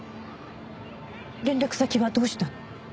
連絡先はどうしたの？